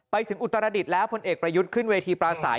อุตรดิษฐ์แล้วพลเอกประยุทธ์ขึ้นเวทีปลาสาย